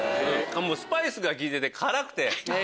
スパイスが利いてて辛くて。